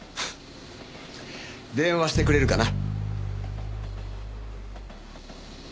電話してくれるかな？